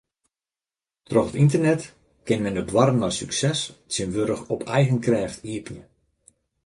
Troch it ynternet kin men de doarren nei sukses tsjintwurdich op eigen krêft iepenje.